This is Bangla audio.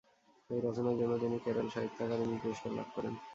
এই রচনার জন্য তিনি কেরল সাহিত্য অকাদেমি পুরস্কার লাভ করেন।